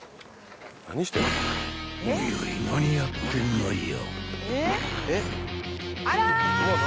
［おいおい何やってんのよ］